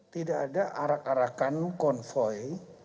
tidak ada arak arakan konvoy